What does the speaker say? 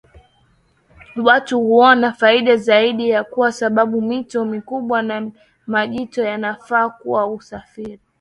Watu huona faida zaidi kwa sababu mito mikubwa na majito yanafaa kwa usafiri